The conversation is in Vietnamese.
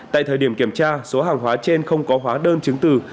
tại thời điểm kiểm tra số hàng hóa trên không có hóa đơn chứng từ